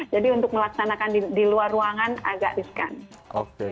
jadi untuk melaksanakan di luar ruangan agak riskan